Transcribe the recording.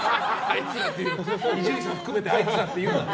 伊集院さん含めてあいつらって言うな！